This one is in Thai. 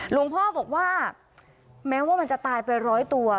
หลวงพ่อบอกว่าแม้ว่ามันจะตายไปร้อยตัว